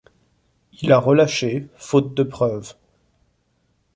Il a relâché faute de preuves.